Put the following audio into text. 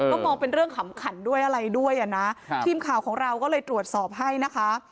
ก็มองเป็นเรื่องขำขันด้วยอะไรด้วยอ่ะนะทีมข่าวของเราก็เลยตรวจสอบให้นะคะ